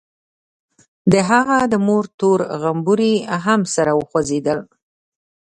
د هغه د مور تور غومبري هم سره وخوځېدل.